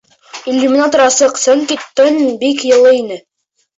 Иллюминатор асыҡ, сөнки төн бик йылы ине.